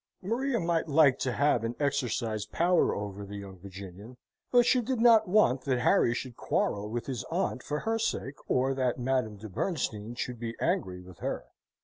Maria might like to have and exercise power over the young Virginian; but she did not want that Harry should quarrel with his aunt for her sake, or that Madame de Bernstein should be angry with her.